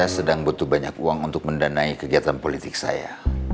saya sedang butuh banyak uang untuk mendanai kegiatan politik saya